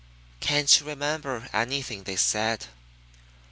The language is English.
"Can't you remember anything they said?"